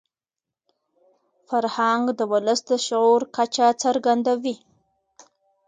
فرهنګ د ولس د شعور کچه څرګندوي.